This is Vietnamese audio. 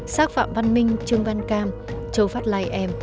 xác phạm văn minh trương văn cam châu phát lai em